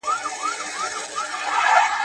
په بازار کي باید د درغلي مخه ونیول سي.